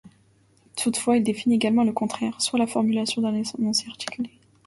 Toutefois, il définit également le contraire, soit la formulation d'un énoncé articulé.